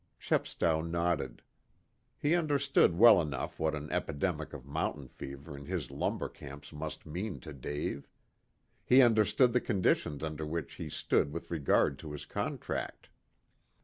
Chepstow nodded. He understood well enough what an epidemic of mountain fever in his lumber camps must mean to Dave. He understood the conditions under which he stood with regard to his contract.